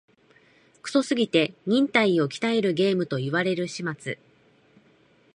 クソすぎて忍耐を鍛えるゲームと言われる始末